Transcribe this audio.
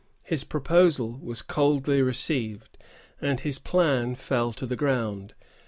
His proposal was coldly received, and his plan fell to the ground.